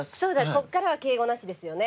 ここからは敬語なしですよね。